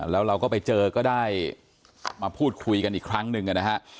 แล้วเราก็ไปเจอก็ได้มาพูดคุยกันอีกครั้งหนึ่งนะฮะ